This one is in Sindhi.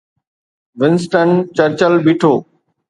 ونسٽن چرچل بيٺو.